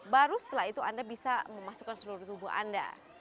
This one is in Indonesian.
baru setelah itu anda bisa memasukkan seluruh tubuh anda